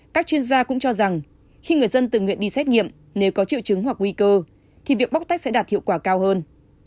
các chuyên gia cũng cho rằng khi người dân tự nguyện đi xét nghiệm nếu có triệu chứng hoặc nguy cơ thì việc bóc tách sẽ đạt hiệu quả cao hơn